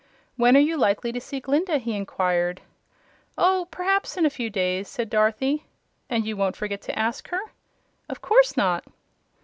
"When are you likely to see Glinda?" he inquired. "Oh, p'raps in a few days," said Dorothy. "And you won't forget to ask her?" "Of course not."